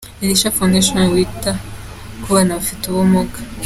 Elisha Foundation wita ku bana bafite ubumuga .